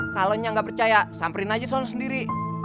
kalau nyak gak percaya samperin aja suara sendiri